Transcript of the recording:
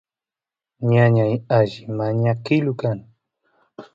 ñañay alli mañakilu kan